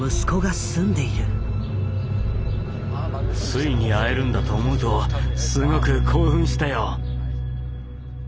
ついに会えるんだと思うとすごく興奮したよ。